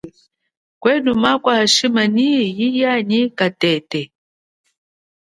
Kwenu makwa shima nyi katete nyi yena mwehi nyi katete.